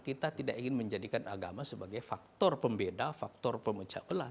kita tidak ingin menjadikan agama sebagai faktor pembeda faktor pemecah belah